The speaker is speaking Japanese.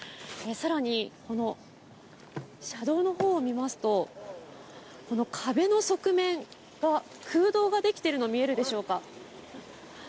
さらに、車道のほうを見ますと、この壁の側面に空洞ができてるのが見えるでしょうか。